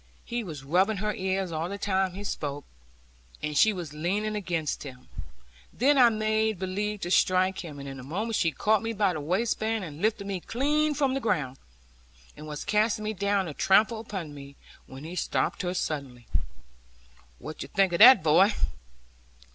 He was rubbing her ears all the time he spoke, and she was leaning against him. Then I made believe to strike him, and in a moment she caught me by the waistband, and lifted me clean from the ground, and was casting me down to trample upon me, when he stopped her suddenly. 'What think you of that, boy?